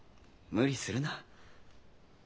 無理するな。